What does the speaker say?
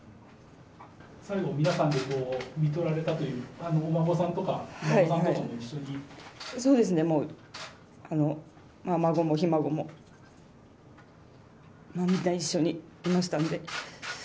最期、皆さんでみとられたっていう、お孫さんとか、そうですね、もう、孫もひ孫も、みんな一緒にいましたんで。